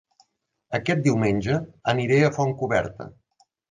Aquest diumenge aniré a Fontcoberta